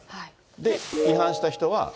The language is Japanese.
で、違反した人は。